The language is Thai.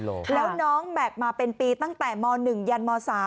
แล้วน้องแบกมาเป็นปีตั้งแต่ม๑ยันม๓